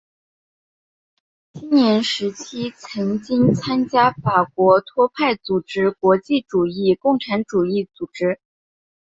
青年时期曾经参加法国托派组织国际主义共产主义组织。